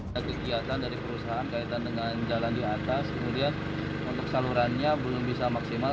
ada kegiatan dari perusahaan kaitan dengan jalan di atas kemudian untuk salurannya belum bisa maksimal